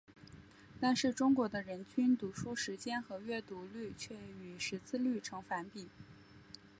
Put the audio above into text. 但是中国的人均读书时间的阅读率却与识字率呈反比。